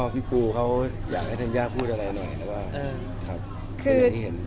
พี่ปูเขาอยากให้ท่านย่าพูดอะไรหน่อยแต่ว่าครับไม่ได้เห็น